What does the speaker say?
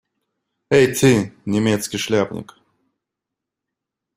Эй ты, немецкий шляпник!